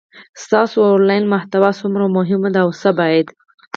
ستاسو انلاین محتوا څومره مهمه ده او څه باید